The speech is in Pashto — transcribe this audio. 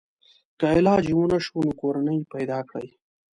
که علاج یې ونشو نو کورنۍ پیدا کړي.